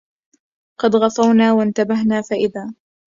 قد غفونا وانتبهنا فإذا